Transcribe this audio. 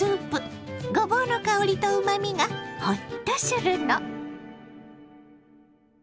ごぼうの香りとうまみがほっとするの。